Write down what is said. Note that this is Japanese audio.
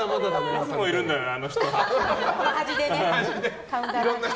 いつもいるんだよな、あの人。